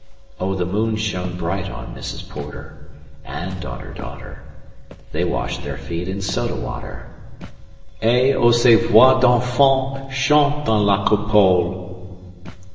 O the moon shone bright on Mrs. Porter And on her daughter 200 They wash their feet in soda water Et, O ces voix d'enfants, chantant dans la coupole!